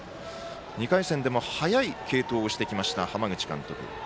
２回戦でも早い継投をしてきました浜口監督。